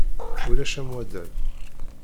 Ulac am waddal.